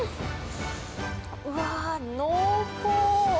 うわー、濃厚。